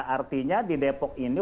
artinya di depok ini